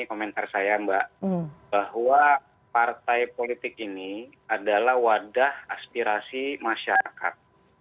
komentar saya mbak bahwa partai politik ini adalah wadah aspirasi masyarakat